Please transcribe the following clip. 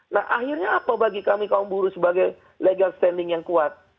nah akhirnya apa bagi kami kaum buruh sebagai legal standing yang kuat